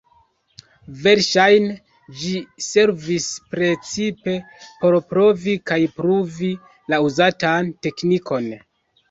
Verŝajne ĝi servis precipe por provi kaj pruvi la uzatan teknikon.